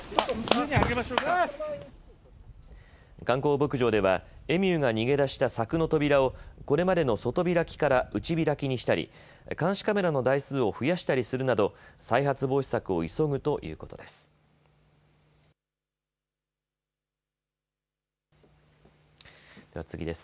観光牧場ではエミューが逃げ出した柵の扉をこれまでの外開きから内開きにしたり監視カメラの台数を増やしたりするなど再発防止策を急ぐということです。